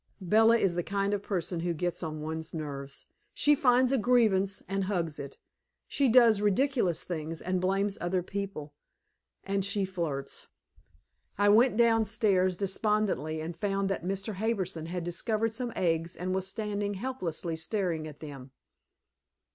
Bella is the kind of person who gets on one's nerves. She finds a grievance and hugs it; she does ridiculous things and blames other people. And she flirts. I went downstairs despondently, and found that Mr. Harbison had discovered some eggs and was standing helplessly staring at them.